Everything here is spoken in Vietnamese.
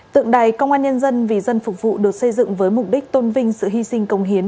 tượng đài công an nhân dân vì dân phục vụ được xây dựng với mục đích tôn vinh sự hy sinh công hiến